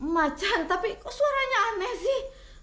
macan tapi kok suaranya aneh sih